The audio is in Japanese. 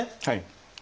はい。